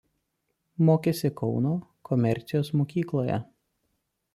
Mokėsi Kauno komercijos mokykloje.